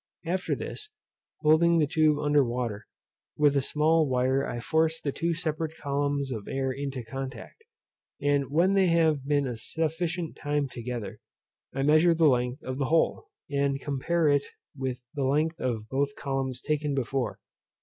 After this, holding the tube under water, with a small wire I force the two separate columns of air into contact, and when they have been a sufficient time together, I measure the length of the whole, and compare it with the length of both the columns taken before.